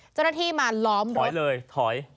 เจ้าหน้าที่มาล้อมรถถอยเลยถอย